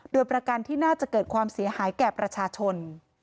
โดยประกันที่น่าจะเกิดความเสียหายแก่ประชาชน